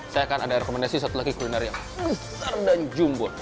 saya akan ada rekomendasi satu lagi kuliner yang besar dan jumbo